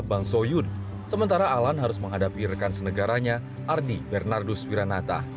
bang soyun sementara alan harus menghadapi rekan senegaranya ardi bernardus wiranata